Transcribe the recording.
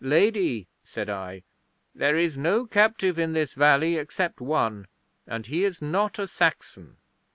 '"Lady," said I, "there is no captive in this valley except one, and he is not a Saxon."